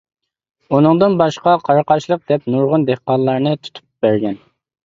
ئۇنىڭدىن باشقا «قاراقاشلىق» دەپ نۇرغۇن دېھقانلارنى تۇتۇپ بەرگەن.